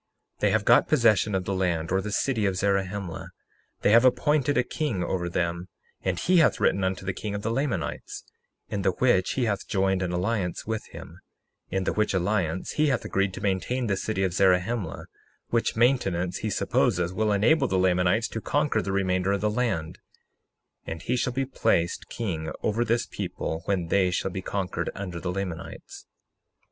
61:8 They have got possession of the land, or the city, of Zarahemla; they have appointed a king over them, and he hath written unto the king of the Lamanites, in the which he hath joined an alliance with him; in the which alliance he hath agreed to maintain the city of Zarahemla, which maintenance he supposeth will enable the Lamanites to conquer the remainder of the land, and he shall be placed king over this people when they shall be conquered under the Lamanites.